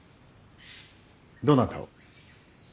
どなたを。